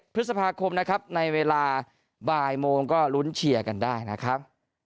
พฤษภาคมนะครับในเวลาบ่ายโมงก็ลุ้นเชียร์กันได้นะครับ